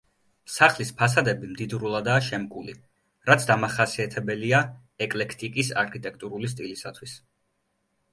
სახლის ფასადები მდიდრულადაა შემკული, რაც დამახასიათებელია ეკლექტიკის არქიტექტურული სტილისათვის.